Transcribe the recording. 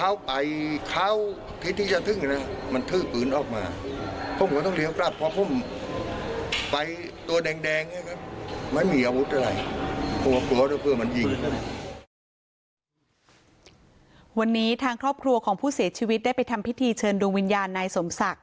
วันนี้ทางครอบครัวของผู้เสียชีวิตได้ไปทำพิธีเชิญดวงวิญญาณนายสมศักดิ